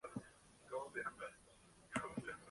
Fue escenario de la batalla de Misurata.